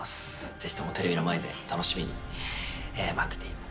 ぜひともテレビの前で楽しみに待っててください。